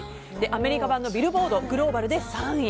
アメリカ版のビルボードグローバルで３位。